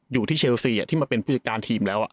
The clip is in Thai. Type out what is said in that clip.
อยู่ที่เชลซีอะที่มาเป็นผู้จัดการทีมแล้วอะ